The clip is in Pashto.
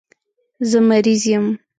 زه مریض یم